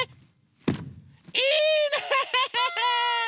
いいね！